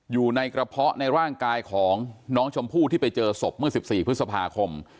อยู่ในกระเพาะในร่างกายของน้องชมพู่ที่ไปเจอศพเมื่อ๑๔พฤษภาคม